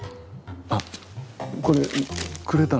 あっこれくれたの？